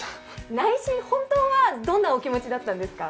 内心、本当はどういうお気持ちだったんですか？